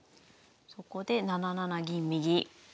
そこで７七銀右。